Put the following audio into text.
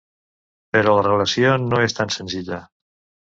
Però la relació no és tan senzilla.